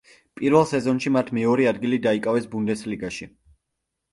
პირველ სეზონში მათ მეორე ადგილი დაიკავეს ბუნდესლიგაში.